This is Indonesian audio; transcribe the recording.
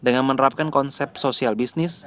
dengan menerapkan konsep sosial bisnis